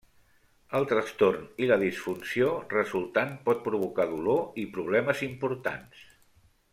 El trastorn i la disfunció resultant pot provocar dolor i problemes importants.